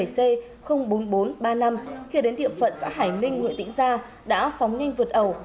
bảy c bốn nghìn bốn trăm ba mươi năm khi đến địa phận xã hải ninh huyện tĩnh gia đã phóng nhanh vượt ẩu